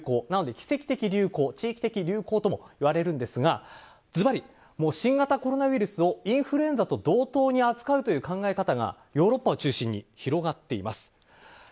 なので奇跡的流行、地位的流行ともいわれるんですがずばり新型コロナウイルスをインフルエンザと同等に扱うという考え方がヨーロッパを中心に広がっています。